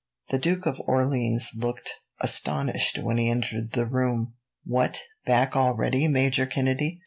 The Duke of Orleans looked astonished when he entered the room. "What! Back already, Major Kennedy?